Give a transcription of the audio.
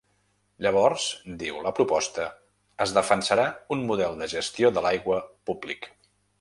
Llavors, diu la proposta, es defensarà un model de gestió de l’aigua públic.